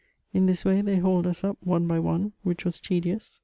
In this way they hauled us up one by one, which was tedious.